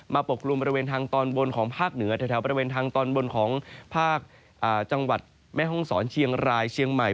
ปกกลุ่มบริเวณทางตอนบนของภาคเหนือแถวบริเวณทางตอนบนของภาคจังหวัดแม่ห้องศรเชียงรายเชียงใหม่